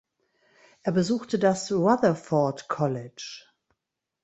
Er besuchte das Rutherford College.